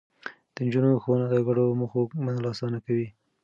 د نجونو ښوونه د ګډو موخو منل اسانه کوي.